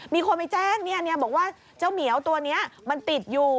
มีคนไปแจ้งบอกว่าเจ้าเหมียวตัวนี้มันติดอยู่